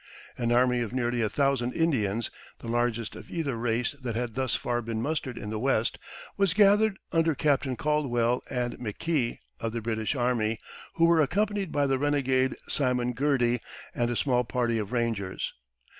An army of nearly a thousand Indians the largest of either race that had thus far been mustered in the West was gathered under Captains Caldwell and McKee, of the British Army, who were accompanied by the renegade Simon Girty and a small party of rangers.